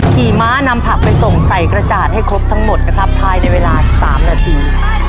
ขี่ม้านำผักไปส่งใส่กระจาดให้ครบทั้งหมดนะครับภายในเวลา๓นาที